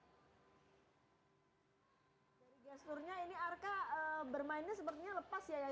jadi gesturnya ini arka bermainnya sepertinya lepas ya